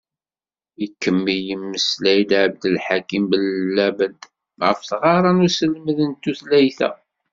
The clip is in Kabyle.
Ikemmel yemmeslay-d, Abdelḥakim Bellabed, ɣef tɣara n uselmed n tutlayt-a.